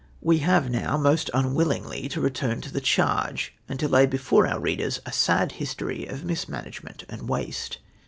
We have now, most unwillingly, to return to the charge, and to lay before our readers a sad history of mismanagement and waste.